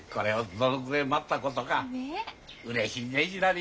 うれしいねえひらり。